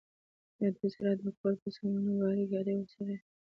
له دوی سره د کور په سامانونو بار، ګاډۍ ورسره وې.